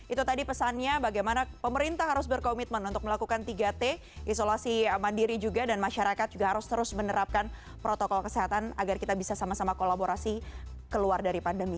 itu tadi pesannya bagaimana pemerintah harus berkomitmen untuk melakukan tiga t isolasi mandiri juga dan masyarakat juga harus terus menerapkan protokol kesehatan agar kita bisa sama sama kolaborasi keluar dari pandemi